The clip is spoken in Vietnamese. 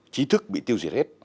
chí thức bị tiêu diệt hết